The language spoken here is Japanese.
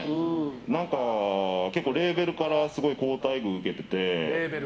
何か結構、レーベルからすごい好待遇受けてて。